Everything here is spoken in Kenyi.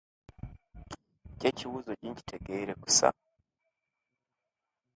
Eco ecibuzo tincitegera kusa